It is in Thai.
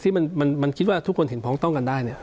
ที่มันคิดว่าทุกคนเห็นพ้องต้องกันได้เนี่ย